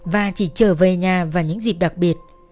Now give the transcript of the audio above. và chỉ trở về nhà vào những dịp đặc biệt